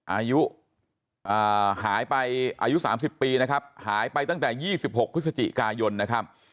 อายุหายไปอายุ๓๐ปีนะครับหายไปตั้งแต่๒๖พฤศจิกายนนะครับ